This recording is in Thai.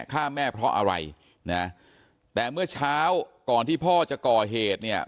ฆ่าแม่เพราะอะไรนะแต่เมื่อเช้าก่อนที่พ่อจะก่อเหตุเนี่ย